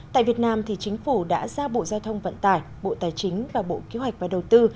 tại việt nam thì chính phủ đã ra bộ giao thông vận tải bộ tài chính và bộ kế hoạch và đầu tư